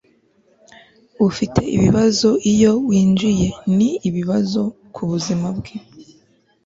ufite ibibazo iyo winjiye. ni bibi ku buzima bwe